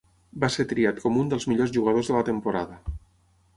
Va ser triat com un dels millors jugadors de la temporada.